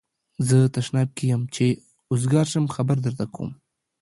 زه تشناب کی یم چی اوزګار شم خبر درکوم